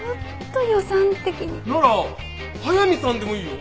なら速見さんでもいいよ。